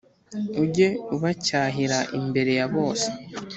Ujye ubacyahira imbere ya bose